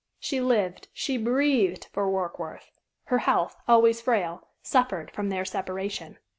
She lived, she breathed for Warkworth. Her health, always frail, suffered from their separation.